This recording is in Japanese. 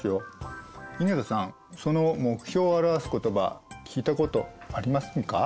井桁さんその目標を表す言葉聞いたことありませんか？